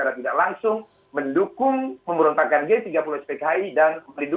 maksudnya dengan bung karno mendapatkan gelar pahlawan nasional itu